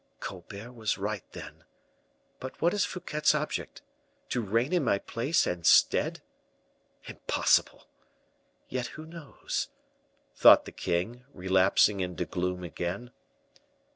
Colbert was right, then. But what is Fouquet's object? To reign in my place and stead? Impossible. Yet who knows!" thought the king, relapsing into gloom again.